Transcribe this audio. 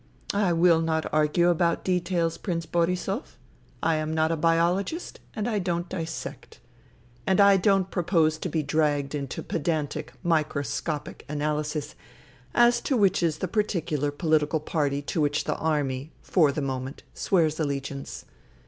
" I will not argue about details, Prince Borisov. I am not a biologist and I don't dissect. And I don't propose to be dragged into pedantic micro scopic analysis as to which is the particular political party to which the army, for the moment, swears allegiance.